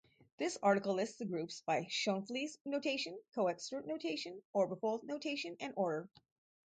This article lists the groups by Schoenflies notation, Coxeter notation, orbifold notation, and order.